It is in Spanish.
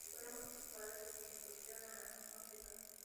Fueron su padres los que la introdujeron en la música.